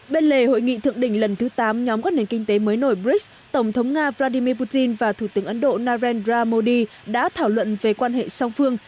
bên lề hội nghị thượng đỉnh lần thứ tám nhóm các nền kinh tế mới nổi brics tổng thống nga vladimir putin và thủ tướng ấn độ narendra modi đã thảo luận về quan hệ song phương